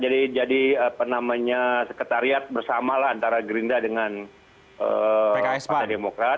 jadi penamanya sekretariat bersamalah antara gerinda dengan pak demokras